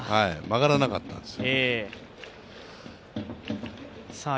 曲がらなかったんです。